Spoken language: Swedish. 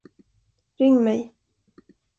Ring mig.